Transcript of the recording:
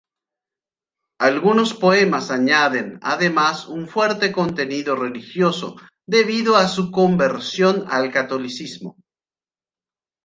Algunos poemas añaden, además, un fuerte contenido religioso debido a su conversión al catolicismo.